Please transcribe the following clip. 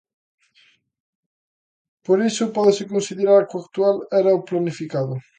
Por iso, pódese considerar que o actual era o planificado.